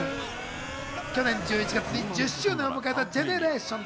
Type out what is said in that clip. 去年１１月に１０周年を迎えたＧＥＮＥＲＡＴＩＯＮＳ。